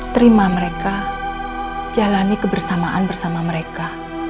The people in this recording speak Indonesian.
terima mereka jalani kebersamaan bersama mereka